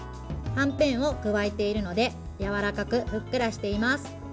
はんぺんを加えているのでやわらかく、ふっくらしています。